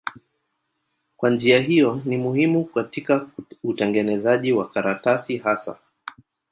Kwa njia hiyo ni muhimu katika utengenezaji wa karatasi hasa.